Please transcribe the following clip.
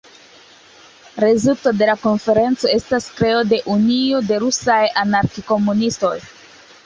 Rezulto de la konferenco estas kreo de "Unio de rusaj anarki-komunistoj".